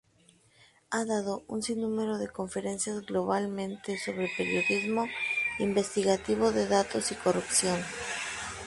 Ha dado un sinnúmero de conferencias globalmente sobre periodismo investigativo de datos y corrupción.